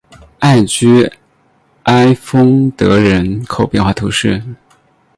艾居埃丰德人口变化图示